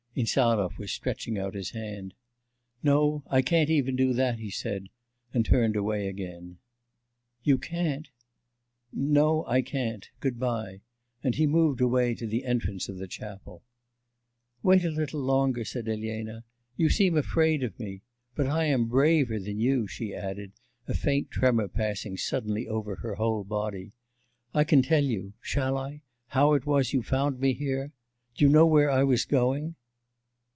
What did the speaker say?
Insarov was stretching out his hand. 'No, I can't even do that,' he said, and turned away again. 'You can't?' 'No, I can't. Good bye.' And he moved away to the entrance of the chapel. 'Wait a little longer,' said Elena. 'You seem afraid of me. But I am braver than you,' she added, a faint tremor passing suddenly over her whole body. 'I can tell you... shall I?... how it was you found me here? Do you know where I was going?